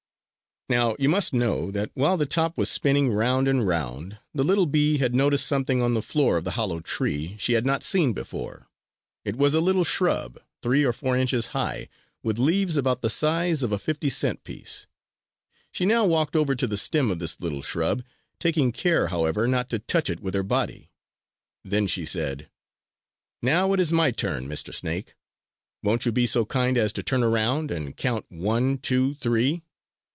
Now you must know that while the top was spinning round and round, the little bee had noticed something on the floor of the hollow tree she had not seen before: it was a little shrub, three or four inches high, with leaves about the size of a fifty cent piece. She now walked over to the stem of this little shrub, taking care, however, not to touch it with her body. Then she said: "Now it is my turn, Mr. Snake. Won't you be so kind as to turn around, and count 'one,' 'two,' 'three.'